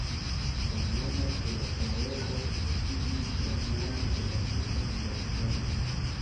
La nomo de la paroĥo iĝis la nomo de la tuta kvartalo.